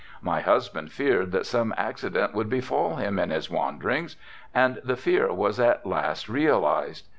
My husband feared that some accident would befall him in his wanderings and the fear was at last realized.